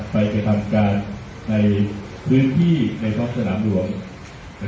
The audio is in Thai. ไปกระทำการในพื้นที่ในท้องสนามหลวง